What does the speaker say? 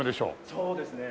そうですね。